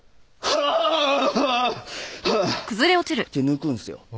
ハァって抜くんですよ